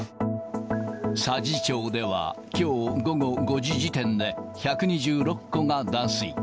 佐治町では、きょう午後５時時点で、１２６戸が断水。